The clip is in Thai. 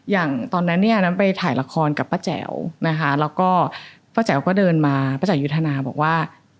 อย่างตอนนั้นน้ำไปถ่ายละครกับป้าแจ๋วแล้วก็ป้าแจ๋วก็เดินมาป้าแจ๋อยุธนาบอกว่า